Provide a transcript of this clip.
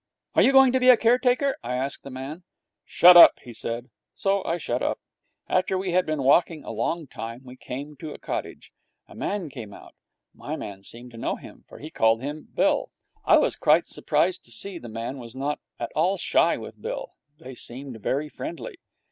'Are you going to be a caretaker?' I asked the man. 'Shut up,' he said. So I shut up. After we had been walking a long time, we came to a cottage. A man came out. My man seemed to know him, for he called him Bill. I was quite surprised to see the man was not at all shy with Bill. They seemed very friendly.